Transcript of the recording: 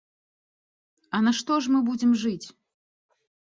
А на што ж мы будзем жыць?